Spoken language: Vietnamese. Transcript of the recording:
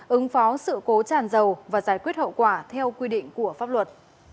ứng phó sự cố tràn dầu và giải quyết hậu quả theo quy định của pháp luật